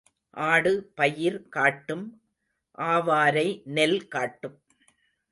ஆடு பயிர் காட்டும் ஆவாரை நெல் காட்டும்.